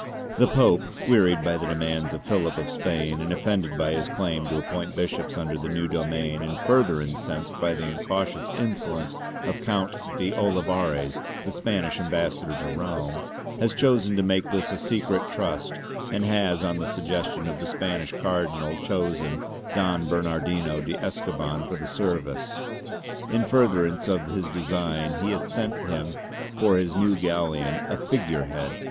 The Pope, wearied by the demands of Philip of Spain and offended by his claim to appoint bishops under the new domain and further incensed by the incautious insolence of Count de Olivares the Spanish ambassador to Rome, has chosen to make this a secret trust and has on the suggestion of the Spanish Cardinal chosen Don Bernardino de Escoban for the service.